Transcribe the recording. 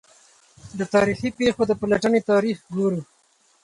د تا ریخي پېښو د پلټني تاریخ ګورو.